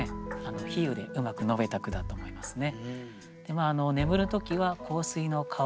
比喩でうまく述べた句だと思いますね。